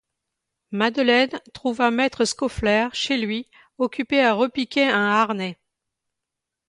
Madeleine trouva maître Scaufflaire chez lui occupé à repiquer un harnais.